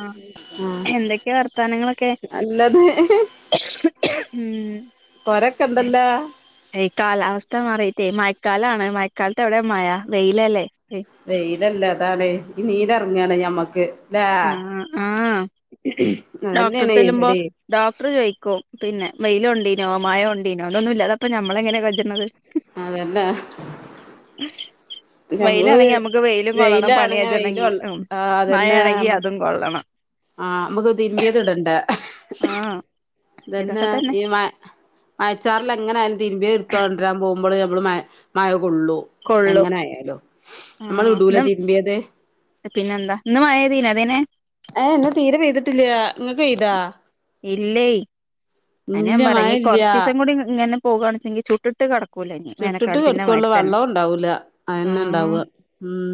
ആഹ എന്തൊക്കെയ വർത്താനങ്ങളൊക്കെ നല്ലത് ഉം കൊരക്കെ ഇണ്ടല്ലോ കാലാവസ്ഥ മാറയിട്ടേ മയക്കാലാണ് മയക്കാലത്ത് എവിടെ മഴ വെയിലല്ലേ വൈലല്ലേ അതാണ് ഈ നീര്റങ്ങാണ് ഞമ്മക്ക് ആഹ് ആഹ് [unintelligible] ഡോക്ടർ തല്ലുമ്പോ ഇവിടേം ഡോക്ടർ ചോയിക്കും പിന്നെ വൈൽ കൊണ്ടിനോ മയക്കൊണ്ടിനോ [unintelligible] അപ്പ നമ്മള എങ്ങനെ കജ്ജ് ന്നത് അതന്നെ നമ്മള് വെയിലാണെങ്കി നമുക്ക് വെയിലും കൊള്ളണം പണി വെയിലാണെങ്ക വെയില കജ്ജണെങ്കി ഉം അതന്നെ മഴയാണെങ്കി നമ്മൾ അതും കൊള്ളണം ആഹ് നമുക്ക് തിരുമ്പിയത് ഇടണ്ട ആഹ് തന്നെ ഈ മ മയച്ചാറൽ എങ്ങനെ ആയാലും തിര്മ്പിയേ എടുത്തൊണ്ടരാൻ പോകും മ്മള് നമ്മൾ മഴ മഴ കൊള്ളു. കൊള്ളും എങ്ങനെ ആയാലും നമ്മൾ ആഹ് ഇടുലെ ഇന്ന് തിരമ്പിയേത് പിന്നെന്താ ഇന്ന് മഴെയ്തീനിയോ അതേനെ ഏ ഇന്ന് തീരെ പെയ്തിട്ടില്ല ഇങ്ങക്ക് പെയ്തോ ഇല്ലേയ് അ്നെഞാൻ ഇല്ല പറ മഴ ഞ്ഞ് ഇല്ല കൊറച്ചീസം കൂടി ഇങ്ങനെ പോകാണെച്ചെങ്കിൽ ചുട്ടിട്ട് കിടക്കും ചുട്ടിട്ട് കൊടുക്കുള്ള വെള്ളവും ഉണ്ടാവൂല അതന്നെ ഇണ്ടാവ ആഹ് ഉം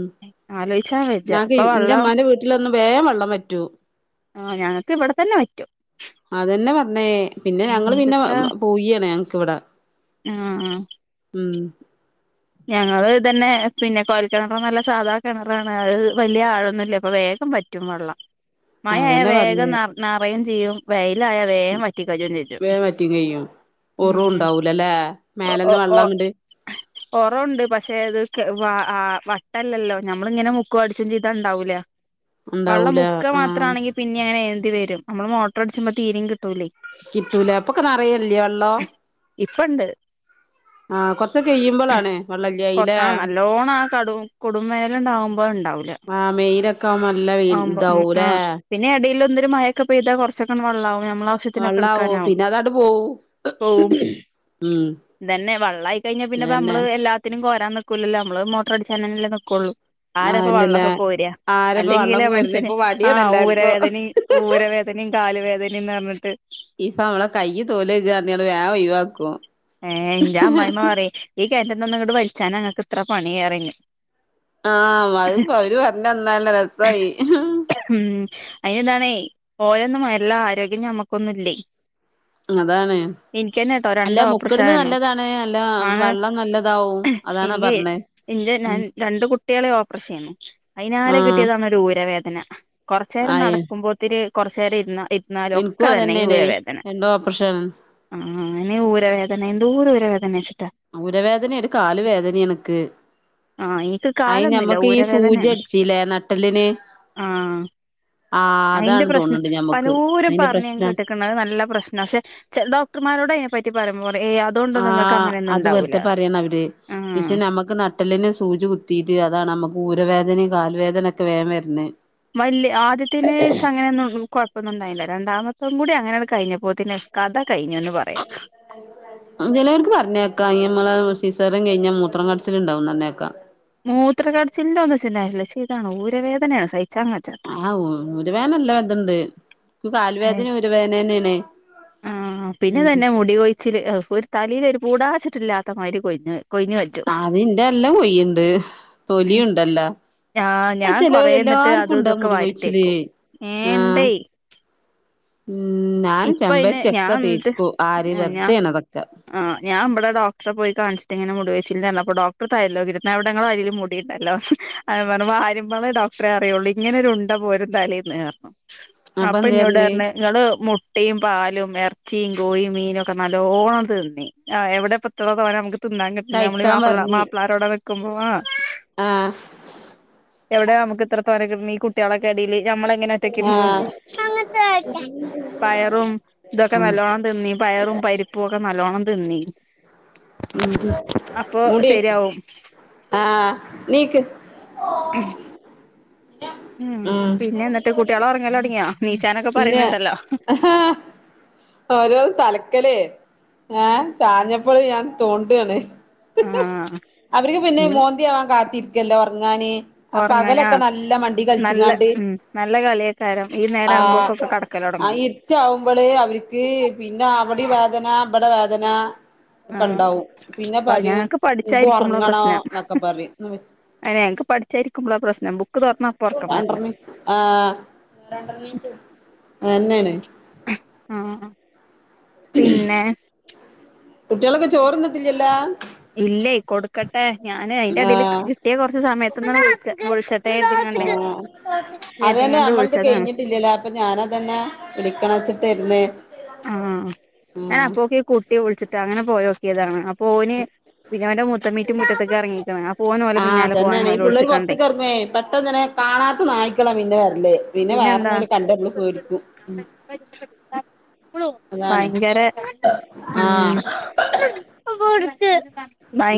ആലോയിച്ചാൻ വെജ്ജ ഞങ്ങക്ക് ഇപ്പൊ വെള്ളം ഇൻ്റെമ്മാന്റെ വീട്ടിലൊന്നും വേഗം വള്ളം വറ്റൂം ആഹ് ഞങ്ങക്ക് ഇവിടെ തന്നെ വറ്റും ന്നേ പിന്നെ ഞങ്ങൾ പിന്നെ എന്ത്ത്താ പൂയിആണ് ഞങ്ങക്കിവിടെ ആഹ് ഉം ഞങ്ങള് ഇതെന്നേ പിന്നെ കൊയൽ കിണറുംഅല്ല സാധാ കിണറാണ് അത് വലിയ ആഴൊന്നുല്ല അപ്പൊ വേഗ വേഗം വറ്റും വള്ളം മഴആയാ അതന്നെ വേഗംനറ നറയും ചെയ്യും വയ് വേ വറ്റിം കഴും ഒറും ഉം ഉണ്ടാവൂലല്ലേ മേലന്ന വെള്ളംങ്ങട്ട് ഒറവുണ്ട് പക്ഷേ അത് വ വട്ടല്ലല്ലോ നമ്മളിങ്ങനെ മുക്ക അടിച്ച ചെയ്ത ഉണ്ടാവൂല വെള്ളം ഉണ്ടാവൂല മുക്ക ആഹ് മാത്രംമാണെങ്കിൽ പിന്നെ അങ്ങനെ എന്തി വരും നമ്മള് മോട്ടോർ അടിച്ച്പോ തീരയും കിട്ടും കിട്ടുലെ കിട്ടൂല അപ്പൊക്കെ നിറയല്ലേ വെള്ളം ഇപ്പംണ്ട് ആഹ് കൊറച്ച് കഴിയുമ്പോളാണ് വെള്ളല്ലായില്ലേ കൊക്ക ആ നല്ലോണം ആ കടു. കുടുംബൈല്ങ്ങട്ടാകുമ്പംകുമ്പോ ഉണ്ടാവും കുലം ആഹ് മെയിലൊക്കെ ആവുമ്പോ നല്ല ആ വെയിൽ ഉം പ മ് ആ ഇതാവൂലേ പിന്നെ എടീല് എന്തും മഴൊക്ക പെയ്താ കൊറാച്ചൊക്കെങ്ങട്ട് വെള്ളാവും നമ്മള ആവശ്യത്തിനൊക്കെ വെള്ളാവും എടുക്കാനാവും പിന്നെ അതങ്ങട് പോവും പോവും ഉം ഇതന്നെ വെള്ളആയി കഴിഞ്ഞാൽ പിന്നെപ്പ അതന്നെ നമ്മള് എല്ലാത്തിനും കോരാൻ നിക്കൂലല്ലോ നമ്മള് മോട്ടറടിച്ചനെന്നല്ലെ നിക്കൊള്ളു ആരാപ്പം ആന്നല്ലേ വെള്ളൊക്കെ കോര ആരപ്പ വള്ളം അല്ലെങ്കിലെ കോരുന്നെ മന്ഷ്യന് ഇപ്പൊ ആ മടിയാണ് എല്ലാർക്കും ഊരവേദനിം ഊരവേ വേദനയും കാല വേദനയും ന്നറ്ഞ്ഞിട്ട് ഇപ്പൊ നമ്മള കൈയ തോലോകാ പറഞ്ഞട്ട വേഗം ഒഴിവാക്കും ഏ ന്റെ അമ്മായിമ്മ പറയും ഈ കെൺറ്റിന്നൊന്ന് ഇങ്ങട്ട് വലിച്ചാന ഇങ്ങക്ക് ഇത്ര പണിറയും ആഹ് മ് അത്പ്പോ അവര് പറഞ്ഞന്നാൽ രസായി ഉം അയിന് ഇതാണേ ഓലൊന്നും നല്ല ആരോഗ്യം ഞമ്മക്കൊന്നുംല്ലേ അതാണ് എനിക്കന്നെട്ടോ രണ്ട് അല്ലമുക്കു ഓപ്പറേഷൻ ക്ണത് ആയിരുന്നു നല്ലതാണ് നല്ല ആണ് വെള്ളം നല്ലതാവും അതാണ് എനിക്ക് പറഞ്ഞെ എന്റെ ഞാൻ രണ്ട് കുട്ടികളെ ഓപ്പറേഷയ്നു അയ്നാലെ ആഹ് കിട്ടിയേതാണ് ഒരു ഊര വേദന കൊറച്ച്നേരം ആയ നടക്കുമ്പോത്തിരി കുറച്ച്നേരം ഇരുന്ന ഇൻക്കും ഇരുന്നാലൊക്കെതന്നെ ഈ അതന്നെയാണ് ഊരവേദന രണ്ടും ഓപ്പറേഷൻ അ ആ അയ്ന് ഊരവേദന എന്തോര ഊരവേദനെച്ച ഊരവേദന ഒരു കാൽവേദന എനിക്ക് ആഹ് എനിക്ക് കാലൊന്നുംല്ല സൂചി ഊരവേദനേണ് അടിച്ചില്ലേ നട്ടലിന് ആഹ് ആഹ് അയിന്റെ അതാണ് പ്രശ്നം തോന്ന്ണ്ട് ഞമ്മക്ക് പലോരും അയിന്റെ പറഞ്ഞത് ഞാന്‍ പ്രശ്ന കേട്ട്ക്ക്ണ് നല്ല പ്രശ്നാ പക്ഷെ ചെ ഡോക്ടർമാർ രോടയ്നെപറ്റി പറിമ്പപറിം ആഹ് അത് വെറുതെ പറയാണ് അവർ ആ പക്ഷെ നമ്മക്ക് ന നട്ടെല്ലിന് സൂചി കുത്തിയിട്ട് അതാണ് നമുക്ക് ഊരവേദനയും കാൽ വേദനയൊക്കെ വേഗം വരുന്നത് വല്യ ആദ്യത്തിന് ഇച്ച് അങ്ങനൊന്നും കൊഴപ്പൊന്നുണ്ടായില്ല രണ്ടാമത്തും കൂടി അങ്ങനെങ്ങട്ട് കഴിഞ്ഞപ്പോത്തിന് കഥ കഴിഞ്ഞുന്ന് പറയാ ചിലവർക്ക് പറഞ്ഞേക്കാം നമ്മള് സിസേറിയന് കഴഞ്ഞാ മൂത്രം കടിച്ചിലുണ്ടാവുംന്ന് പറ്ഞ്ഞേക്കാം മൂത്രകടിച്ചിലിന്റെ ഒന്നും ഇച്ച് ഇണ്ടായില്ല ഇച്ച് ഇതാണ് ഊരവേദനയാണ് സഹിക്കാ ആഹ് ഊരവേദന നല്ല ത്ണ്ട് ന്ക്ക് കൽ വേദന ഊരവേദന തന്നെയാണ് ആഹ് പിന്നെ ഉം ഇതന്നെ മുടി കൊഴിച്ചിൽ ഒരു തലയിൽ ഒരു പൂടാച്ചട്ടില്ലാത്ത മാതിരി കൊയ്ഞ്ഞോയ് അത് ഇന്റെ എല്ലാം കൊയിണ്ട് തൊലിയുണ്ടല്ലോ ആ അത് ഞാൻ ചെലോ കൊറന്നിട്ട് എല്ലാർക്കും അതും ഉണ്ടാ ഇതൊക്കെ മുടി കൊഴിച്ചില് വാരിത്തേക്കും ഏ ആഹ് ഇണ്ടേ [inaudible] ഉം ഞാൻ ഇപ്പ അയിന് ഞാൻ ചെമ്പരത്തിയൊക്കെ എന്നിട്ട് തേക്കൂം ആരി ഞാൻ വെറുതെയണതൊക്കെ ആ ഞൻ നമ്മടെ ഡോക്റെ പോയി കാണിച്ചിട്ട് ഇങ്ങനെ മു ഡോക്ടർ തല്ല നോക്കിയിട്ട് എവിടെ ഇങ്ങളെ തലയിൽ മുടിയിണ്ടല്ലോ അപ്പൊ ഞാന്‍ പറഞ്ഞ് വാരുമ്പോള് ഡോക്ടറെ അറിയൊള്ളു ഇങ്ങനെരു ഉണ്ട പോരും തലേന്ന് അപ്പൊ ഇന്നോട് പറഞ്ഞ് ഇങ്ങള് മു മുട്ടയും പാലും ഇറച്ചിയും കോഴിയും മീനും ഒക്കെ നല്ലോണം തിന്നി ആ എവിടെ ഇപ്പത്ര തോന്നാ നമുക്ക് തിന്നാന്‍ കിട്ടുന്നെ നമ്മൾ കഴിക്കാൻ മാപ്പി പറഞ്ഞ് മാപ്പിളാരോടെ നിൽക്കുമ്പോ ആഹ് എവിടെയാ നമുക്ക് ഇത്ര തോന്നേ കിട്ടുന്നെ ഈ കുട്ടികളൊക്കെ ഇടയിൽ ഞമ്മളെങ്ങെനെ ഒറ്റക്കിരുന്ന് തിന്നോ പയറും ഇതൊക്കെ നല്ലവോണം തിന്നി പയറും പരിപ്പും ഒക്കെ നല്ലവണ്ണം തിന്നി അപ്പൊ മൂടിവക്ക് ശരിയാവും ആഹ നീക്ക് ഉം ഉം പിന്നെ എന്നിട്ട് കുട്ടികൾ ഉറങ്ങല് തുടങ്ങിയോ നീചാനൊക്കെ പറയുന്നുണ്ടല്ലോ ഓരോ തലക്കലേ ഏഹ ചാഞ്ഞപ്പള് ഞാൻ തോണ്ടാണ് ആഹ് അവർക്ക് പിന്നെ ഇനി മോന്തിയാവാൻ കാത്തിരിക്കല്ലേ ഉറങ്ങാന് ആ ഉറങ്ങാനാ പകലൊക്കെ നല്ല മണ്ടി നല്ല കളിച്ചിങ്ങാണ്ട് ഉം നല്ല കളിയക്കാരം ഈ നേരം ആഹ ആകുമ്പോക്കൊക്കെ കടക്കല് ആ തുടങ്ങും ഇരിട്ടാവുമ്പോള് അവർക്ക് പിന്നെ അവിടെ വേദന ഇവിടെ വേദന ആഹ് ഒക്കെണ്ടാവും പിന്നെ അപ്പ പറയും ഞങ്ങക്ക് ഇന്‍ക്ക് പഠിച്ചായിരിക്കുമ്പോളാ ഉറങ്ങണം എന്നൊക്കെ പറയും തന്നെ എനിക്ക് പഠിച്ചായിരിക്കുമ്പോള ആ പ്രശ്നം ബുക്ക് തുറന്ന ആ അതെന്നാണ് പിന്നെ കുട്ടികളൊക്കെ ചോറുംന്നിട്ടില്ലല്ലോ ഇല്ലേ കൊടുക്കട്ടെ ഞാന് അയിന്റെ ഇടിയിൽ ആഹ് കിട്ടിയ കുറച്ച് സമയത്ത്ന്നാ വിളിച്ചെ വിളിച്ചെ [unintelligible] അത് തന്നെ കരുതിങ്ങാണ്ട് നമ്മളത് വിളിച്ചതാണ് കഴിഞ്ഞിട്ടില്ലല്ലേ അപ്പൊ ഞാാനതനെ വിളിക്കണ വെച്ചിട്ടുന്നേ ആഹ ഞാ അപ്പപ്പോ ക്ക കുട്ടി വിളിച്ചിട്ട് അങ്ങനെ പോയോക്കിയതാണ് അപ്പൊ ഓന് പിവന്റെ മു മത്ത മീറ്റ മുറ്റത്തക്ക ഇറങ്ങയിക്കണ് ആഹ് അതന്നാണ് ഈ പിള്ളേര് പുറത്ത ക ഇറങ്ങുവേ പെട്ടെന്ന് തന്നെ കാണാത്ത നായി്ക്കളാം വീന്റെ വേരെ ല്ലേ പിന്നെ വേറെ പിന്നെന്താ എന്തൊയിലും കണ്ട എവിള് പേടിക്കും അതാണ് ഭയങ്കര ആഹ് ഉം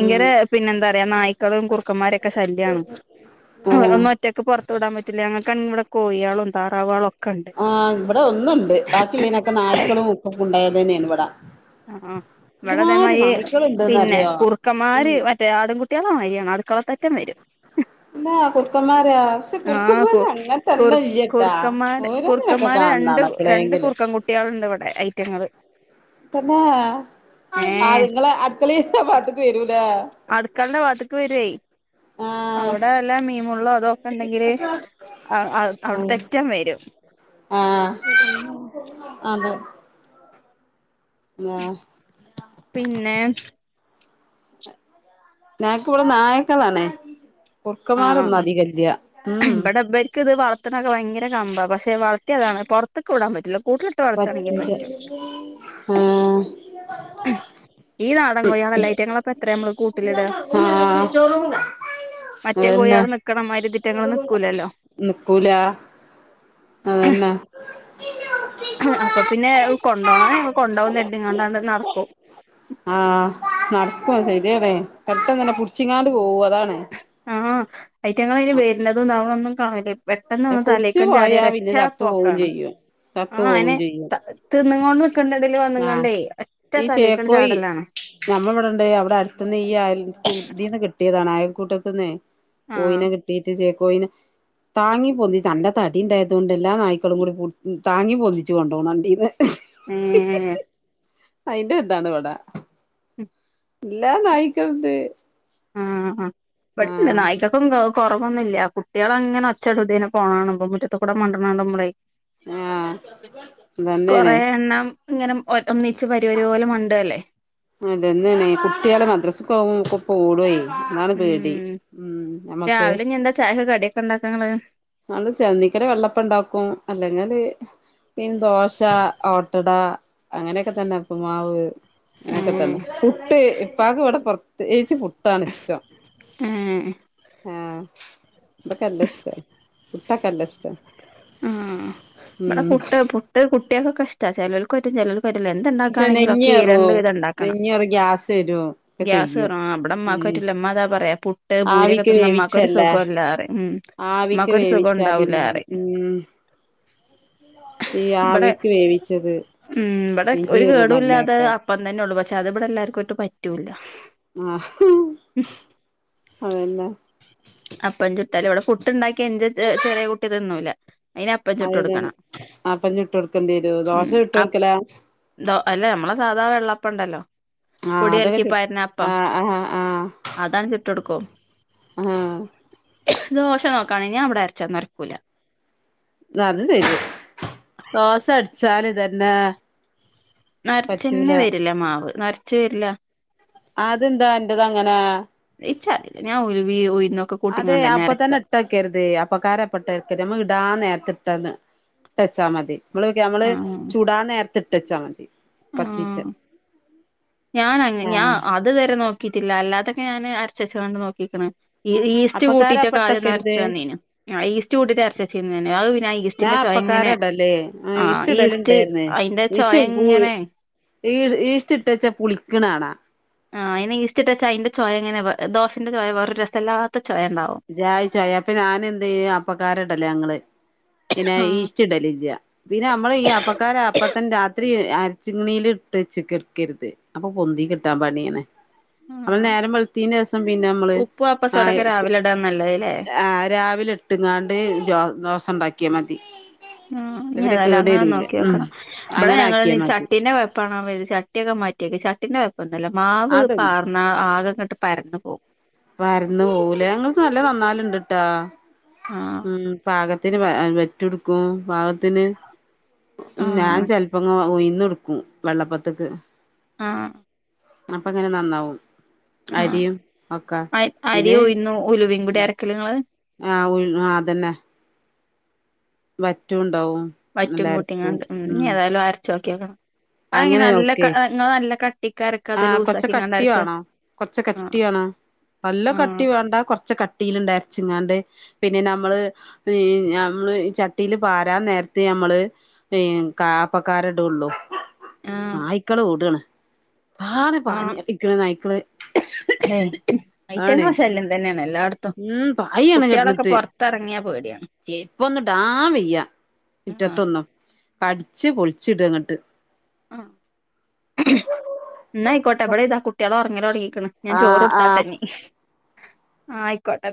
ഉം പിന്നെന്താ പറയാ നായ് ക്കളും കുർുക്കന്മാരൊക്കെ ശല്യമാണ് ആഹ് ഒന്ന ഒറ്റയ്ക്ക് പുറത്തു വിടാൻ പറ്റില്ല ങ്ങ ഇ കോയിയാളും താറാവാളോ ആഹ ഇവിടെ ഒന്നുണ്ട് ബാക്കിള്ളനൊക്കെ നായ്ക്കളും ഉക്ക ഒക്കെ ഉണ്ടായത് തന്നെയാണ് ഇവിടെ ആ ആ ഇവിടെ അതേമാതിരി പിന്നെ നായ്ക്കള്ണ്ട്ന്നറിയോ കുറുക്കന്മാര് ഉം മറ്റേ ആടുംകുട്ടികളെ മാരിയാണ് അക്കളത്തറ്റം വരും ഇല്ലാ കുറുക്കന്മാരാ പക്ഷെ ആഹ് കു കുറുക്കന്മാര് അങ്ങനത്തെല്ല ഇയ്യട്ടാ കുർക്കന്മാര് രണ്ട് രണ്ട് കുറുക്കൻ കുട്ടികളുണ്ട് ഇവിടെ ഐറ്റങ്ങള് പിന്നെ ഏഹ് അതുങ്ങളെ അടുക്കള പാത്തക്ക വരൂല അടുക്കളന്റെ വാതുക്ക് വരുവായി ആഹ് അവിടെ വല്ല മീമുള്ളോ അതൊക്കെ ഉണ്ടെങ്കില് ആ അവിടെ തെറ്റം വരും ആഹ അതെ ആഹ് പിന്നെ ഞക്ക് ഇവിടെ നായക്കളാണേ കുറക്കന്മാരൊന്നും ആഹ് അധികല്യാ ഉം പത്തത്തിനൊക്കെ ഭയങ്ക കമ്പാണ് പക്ഷെ വളർത്തിയതാണ് പുറത്തക്കെ വിടൻ പറ്റില്ലോ കൂട്ടിലിട്ട് വളർത്താണെങ്കിൽ പറ്റൂല പറ്റോ ആഹ് ഈ നാടൻ കൊയാളല്ല റ്റങ്ങളപ്പ എത്രയ നമ്മള് കൂട്ടിലിടുക [unintelligible] മറ്റേ അന്നെ കോഴികള് നിക്കണമാതിരി ഇതിറ്റങ്ങള് നിക്കൂലല്ലോ നിക്കൂല. അതന്നെ അപ്പൊ പിന്നെ കൊണ്ടോണം ഞങ്ങ കൊണ്ടോവുംന്നര്തിങ്ങാണ്ടാണ്ട് നട് ക്കും. ആഹ് നട്ക്കും ശരിയാണേ പെട്ടെന്നന്നെ പുട്ച്ച്ങ്ങാണ്ട് പോവും അതാണ്. ആഹ് അയ്റ്റങ്ങളൈന് വര്ന്നതും താവ്ണും ഒന്നും കാണൂല്ലേ. പെട്ടെന്ന് ഒന്ന് പുടിച്ചു തലേക്കാണ്ട് ചാടിയ പോയാ പിന്നെ രറ്റ ചത്തു പോവും പോക്കാണ് ചെയ്യും ആ ചത്തു പോവും അയ്നെ ചെയ്യും തി വന്ന് ആഹ് കാണ്ടേ ഒറ്റ തലേക്കാണ്ട് ചാട ലാണ്. ഞമ്മള് ഇവിടെണ്ട്. അവ്ടെ അട് ത്ത്ന്ന് ഈ അയൽ കൂ തീന്ന് കിട്ടിയതാണ് അയൽ കൂട്ടത്ത്ന്നെ ആഹ് കോയിനെ കിട്ടീട്ട് ചേക്കോയിന താങ്ങി പൊന്തിച്ച് നല്ല തടി ഇ ണ്ടായതുകൊണ്ടേ എല്ലാ നായ്ക്കളും കൂടി താങ്ങി പൊന്തിച്ചു കൊണ്ടോണ കണ്ടീന്ന്. ഏ അയിന്റെ ഇതാണ് ഇവടെ. ഉം ഇല്ലാ നായിക്കൾ ണ്ട്. ആഹ് അ പട്ത്ത് ണ്ട് നായിക്കക്കും കൊറവൊന്നുല്ല. കുട്ടിയള അങ്ങനെ ഒച്ചടും തിനെ പോ കാണ്മ്പൊ മുറ്റത്ത് കൂടെ മണ്ട്ണാണുമ്പ്ളേ ആഹ് കൊറെ അതന്നെയാണ് എണ്ണം ഇങ്ങനെ ഒ ഒന്നിച്ച് വരി വരി പോലെ മണ്ടല്ലേ. അതെന്നെ ണീ കുട്ടിയള് മദ്രസക്കോ വുമ്പോ ക്കെ കൂടെ ഉം നമ്മക്ക് രാവിലെ ഞ്ഞ് എന്താ ചായക്ക് കടിയൊക്കെ ഇണ്ടാക്കാങ്ങള്? നള് ചെന്നിക്കല് വെള്ളപ്പ ഇ ണ്ടാക്കും അല്ലെങ്കില് പിൻ ദോശ, ഓട്ടട അങ്ങനെയൊക്കെ തന്നെ ഇപ്പ് മാവ് അങ്ങനൊക്കെ തന്നെ. ഏഹ് പുട്ട് ഇപ്പാ ക്ക് ഇവ്ടെ പ്രത്യേകിച്ച് പുട്ടാണ് ഇഷ്ടം. ഉം. ആഹ് ഇബക്ക് നല്ലഷ്ടാ പുട്ടൊക്കെ നല്ലഷ്ടാ. ആ ഇബടെ പുട്ട് പുട്ട് കുട്ടിയേൾക്കൊക്കെ ഇഷ്ടാ ചെലോൽക്ക് പറ്റും ചെലോൽക്ക് പറ്റൂല. പക്ഷെ എന്ത്ണ്ടാക്കാണെങ്കിലും ഒക്കെ ഈ രണ്ട് നെഞ്ഞേറും വിധം ഇണ്ടാക്കണം. നെഞ്ഞേറും ഗ്യാസ് വരും ഒക്കെ ഗ്യാസ് ചെയ്യും കേറും ഇബടെമ്മാക്ക് ഉം പറ്റൂല. ഇമ്മ അതാ പറയാ പു പുട്ട് ഭൂരിയൊക്കെ ആവിക്ക് തിന്ന ഇമ്മാക്കൊരു വേവിച്ചല്ലേ സുഖോല്ല റിം. ആവിക്ക് മ്മാക്കൊരു സുഖോം വേവിച്ചാ ഉണ്ടാവൂല പിന്നെ റിം ഉം. ഈ ഇബടെ ആവിക്ക് വേവിച്ചത് ഉം ഇബടെ നെഞ്ഞ് ഒരു കീറുംന്ന് കേടൂ ല്ലാത്തത് പറഞ്ഞേക്കാ അപ്പം തന്നെള്ളൂ പശേ അത് ഇബടെ എല്ലാർക്കോട്ട് പറ്റൂല്ല. ആഹ് അതന്നെ. അപ്പം ചുട്ടാല് ഇവടെ പുട്ടുണ്ടാക്കിയ ഇന്റെ ചെറിയ കുട്ടി തിന്നൂല അതിന് അപ്പം ചുട്ട് അതെല്ലേ കൊടുക്കണം അപ്പം ചുട്ട് കൊട്ക്കണ്ടി വരും. ദോശ ചുട്ട് കൊടുക്കലാ ദോ അല്ല നമ്മളെ സാധാ വെള്ളപ്പംണ്ടല്ലോ ആഹ് പൊടി അതൊക്കെ ചു കലക്കിപ്പാര്ന അപ്പം ആഹ് ആഹ് ആഹ് അതാണ്ട് ചുട്ട് കൊടുക്കും. ആഹ്. ദോശ നോക്കാണീം ഞാൻ ഇവടെ അര്ച്ചാ നൊര്ക്കൂല. അതു സെരി ദോശ അട്ച്ചാല് ഇതന്നെ പറ്റൂല നൊര്ച്ചന്നെ വരൂല മാവ് നൊര്ച്ച് വര്ല്ല. അതെന്താ അന്റത് അങ്ങനെ ഇച്ചറീല ഞാന് ഉലുവീ ഉയ്‌ അതെ അപ്പ തന്നെ ഇട്ടക്കര്ത് അപ്പക്കാരം അപ്പട്ടേക്കര്ത് നമ്മ ഇടാൻ നേര ത്ത്ട്ടന്ന് ഇട്ടച്ചാ മതി. ഞമ്മള് ആഹ് ചുടാ നേരത്ത് ഇട്ടച്ചാ മതി. കൊർച്ചീച്ചേ. ആഹ് ഞാൻ അങ്ങനെ ഞാൻ അത് വരെ നോക്കീട്ടില്ല. അല്ലാത്തൊക്കെ ഞാന് അരച്ചച്ച്ങ്ങാണ്ട് നോക്കീക്ക്ണ്. ഈ യീസ്റ്റ് അപ്പക്കാര കൂട്ടീട്ടൊക്കെ ആദ്യം അപ്പട്ടക്കരുത് നൊര്ച്ചു വന്നീനു. ആ യീസ്റ്റ് കൂട്ടീട്ട് അര്ച്ചെച്ചീന്നു ഞാന് അഅ് പിന്നെ ഞാൻ യീസ്റ്റ്ന്റെ ചൊയ അപ്പക്കാര ഇങ്ങനെ ഇടല്ലേ ആ ആഹ് യീസ്റ്റ് ഇടല് ഈസ്റ്റ് ഇണ്ടായിരുന്നേ അയിന്റെ യീസ്റ്റ് ചൊയ ഇങ്ങനെ ഈ യീസ്റ്റ് ഇട്ട് വെച്ച പുളിക്ക്ണാണാ ആഹ് അയ്ന് യീസ്റ്റ് ഇട്ട് വെച്ച അതിന്റെ ചൊയങ്ങനെ ദോശന്റെ ചൊയ വെറെ രസല്ലാത്ത ചൊയ ഇണ്ടാവും ഒരു ജായി ചൊയ അപ്പൊ ഞാന് എന്തിയ്യും അപ്പക്കാരടല ഞങ്ങള് പിന്നെ ആഹ് യീസ്റ്റ് ഇടലില്ല പിന്നെ അമ്മള് ഈ അപ്പക്കാരം അപ്പത്തന്നെ രാത്രി അരച്ചിങ്ങ്ണീൽ ഇട്ട് വെച്ച് കിടക്കരുത് അപ്പൊ പൊന്തി കിട്ടാൻ പണിയാണ് നമ്മള് ആഹ് നേരം വെളുത്തീന്റേഷം പിന്നെ അമ്മള് ഉപ്പും അ അപ്പസോടൊക്കെ രാവിലെ ഇടാൻ നല്ലതല്ലേ ആഹ് രാവിലെ ഇട്ട്ങ്ങാണ്ട് ദോസ ഇണ്ടാക്കിയാ മതി ആഹ് ഇഞ്ഞി പിന്നെ ഏതായാലും കേട് അങ്ങനെ വരൂല ഉം നോക്കിയോക്കണം ഇബടെ അങ്ങനെ ഞങ്ങള് ആക്കിയാ മതി ചട്ടീന്റെ കൊഴപ്പാണോ കര്തി ചട്ടിയൊക്കെ മാറ്റി മാറ്റിയോക്കി ചട്ടിന്റെ കൊഴപ്പംന്നും അല്ല മാവ് അതൊള്ളു പാർന്ന ആകെങ്ങട്ട് പരന്നു പോകും പരന്ന് പോകുംല്ലേ ഞങ്ങൾത് നല്ലോം നന്നാവല് ഇണ്ട്ട്ടോ ആഹ് ഉം പാകത്തിന് വറ്റുട്ക്കും പാകത്തിന് ഞാൻ ആഹ് ചെല പ്പൊങ്ങും ഉയുന്ന് ഇട്ക്കും വെള്ളപ്പത്ത്ക്ക് ആഹ് അപ്പ ഇങ്ങനെ നന്നാവും ആഹ് അരിയും ഒക്ക അരി അരി പിന്നെ ഉഴുന്നും ഉലുവയും കൂടി ഉം അരക്കല് ഇങ്ങള് ആ ഉഴു ആഹ് അതന്നെ വറ്റുംണ്ടാവും വറ്റും കൂട്ടിങ്ങാണ്ട് ഉം ഇഞ്ഞി ഏതായാലും അരച്ച് നോക്കിയോക്കണം അതെങ്ങനെ നല്ല ഇങ്ങളെ നല്ല കട്ടി ആ കൊറച്ച് കട്ടി വേണം കൊറച്ച് കട്ടി ആഹ് വേണം നല്ല ആഹ് കട്ടി വേണ്ട കൊറച്ച് കട്ടീലിണ്ട് അരച്ച്ങ്ങാണ്ട് പിന്നെ നമ്മള് ഞമ്മള് ചട്ടിയില് പാരാൻ നേരത്ത് യമ്മള് ഈ അപ്പക്കാരടൊള്ളൂ ആഹ് നായ്ക്കള് ഓടാണ് [unintelligible] നായ്ക്കള് ഹെയ് ആണ് ഐറ്റങ്ങളെ ശല്യം തന്നെയാണ് എല്ലാ ഉം കുട്ടിളൊക്കെ പൊറത്തെറങ്ങിയാ പ്യെടി ചരിപ്പൊന്നു ഇപ്പൊന്നുടാ വയ്യാ മിറ്റ ആഹ് ത്തൊന്നും പഠിച്ച് പൊളിച്ചിട ഇങ്ങട്ട് അ ഹ്ഹ് ന്നായിക്കോട്ടേ ഇബടെ താ കുട്ടികളോറ ങ്ങലോടങ്ങിക്കണ് ഞാൻ ആഹ് ചോറ്ടുത്താട്ട ആഹ് ഇനി ആയിക്കോട്ടെ